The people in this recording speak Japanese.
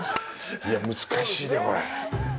いや、難しいでぇ、これ！